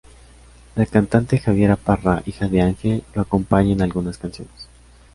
La cantante Javiera Parra, hija de Ángel, lo acompaña en algunas canciones.